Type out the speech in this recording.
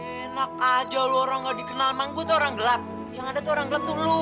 enak aja lu orang nggak dikenal emang gue tuh orang gelap yang ada tuh orang gelap tuh lu